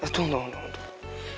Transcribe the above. tunggu tunggu tunggu